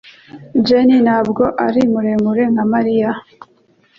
Jane ntabwo ari muremure nka Mariya